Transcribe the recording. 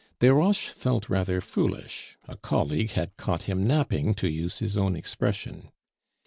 Desroches felt rather foolish; a colleague had "caught him napping," to use his own expression.